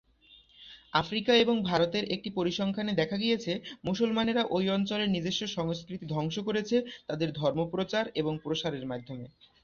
Africa এবং ভারতের একটি পরিসংখ্যানে দেখা গিয়েছে মুসলমানেরা ঐ অঞ্চলের নিজস্ব সংস্কৃতি ধ্বংস করেছে তাদের ধর্ম প্রচার এবং প্রসারের মাধ্যমে।